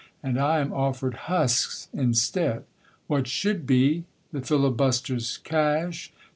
And I am offered HUSKS instead. What should be: What is: The Filibuster's Cache.